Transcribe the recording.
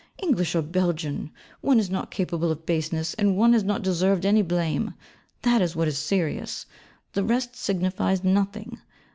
'English or Belgian, one is not capable of baseness, and one has not deserved any blame: that is what is serious; the rest signifies nothing.